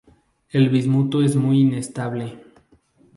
El bismuto es muy inestable.